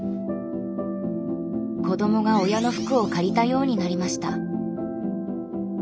子どもが親の服を借りたようになりました。